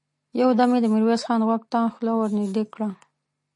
يودم يې د ميرويس خان غوږ ته خوله ور نږدې کړه!